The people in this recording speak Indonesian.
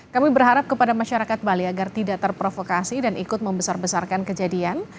kami berharap kepada masyarakat bali agar tidak terprovokasi dan ikut membesar besarkan kejadian